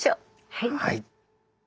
はい。